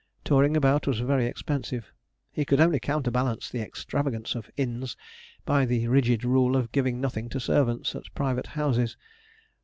Touring about was very expensive. He could only counterbalance the extravagance of inns by the rigid rule of giving nothing to servants at private houses.